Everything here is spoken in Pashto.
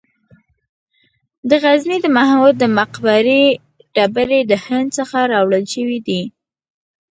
د غزني د محمود د مقبرې ډبرې د هند څخه راوړل شوې وې